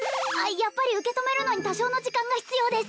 やっぱり受け止めるのに多少の時間が必要です